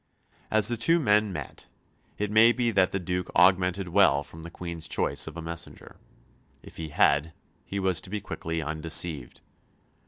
As the two men met, it may be that the Duke augured well from the Queen's choice of a messenger. If he had, he was to be quickly undeceived.